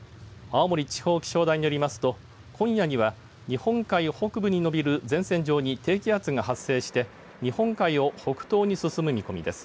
青森地方気象台によりますと今夜には日本海北部に延びる前線上に低気圧が発生して日本海を北東に進む見込みです。